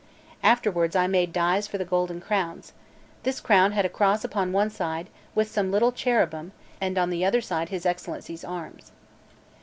Afterwards I made dies for the golden crowns; this crown had a cross upon one side with some little cherubim, and on the other side his Excellency's arms.